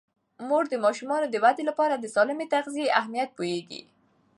مور د ماشومانو د ودې لپاره د سالمې تغذیې اهمیت پوهیږي.